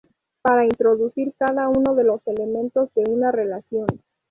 Para introducir cada uno de los elementos de una relación.